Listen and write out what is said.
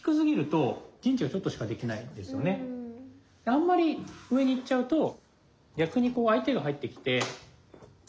あんまり上に行っちゃうと逆にこう相手が入ってきて。